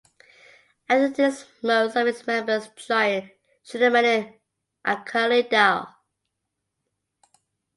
After this most of its members joined Shiromani Akali Dal.